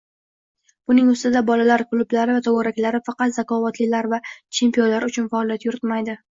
Buning ustiga bolalar klublari va to‘garaklari faqat zakovatlilar va chempionlar uchun faoliyat yuritmaydi.